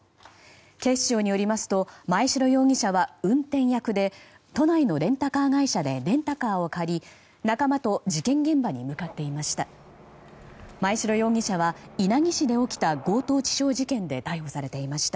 警視庁によりますと真栄城容疑者は運転役で都内のレンタカー会社でレンタカーを借り仲間と事件現場に向かっていました。